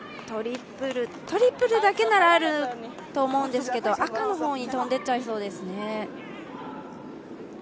トリプルだけならあると思うんですけど赤の方に飛んでっちゃいそうですね。